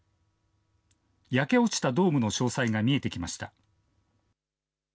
焼け落ちたドームの詳細が見えてきました。